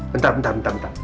bentar bentar bentar